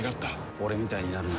「俺みたいになるなよ」